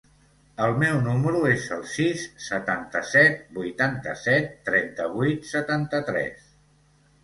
El meu número es el sis, setanta-set, vuitanta-set, trenta-vuit, setanta-tres.